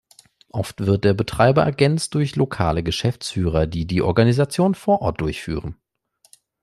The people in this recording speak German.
Oft wird der Betreiber ergänzt durch lokale Geschäftsführer, die die Organisation vor Ort durchführen.